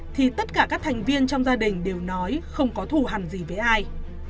thì tất cả các thành viên trong gia đình đều nói không có thù hẳn gì với ai